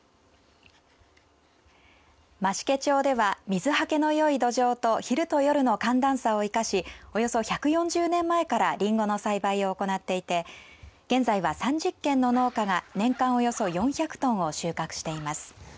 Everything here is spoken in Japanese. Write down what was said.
増毛町では、水はけのよい土壌と昼と夜の寒暖差を生かしおよそ１４０年前からりんごの栽培を行っていて現在は３０軒の農家が年間およそ４００トンを収穫しています。